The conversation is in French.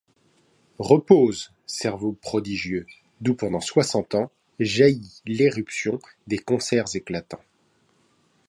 Repose, Cerveau prodigieux, d'où, pendant soixante ans, Jaillit l'éruption des concerts éclatants.